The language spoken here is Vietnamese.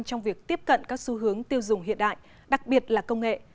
trong việc tiếp cận các xu hướng tiêu dùng hiện đại đặc biệt là công nghệ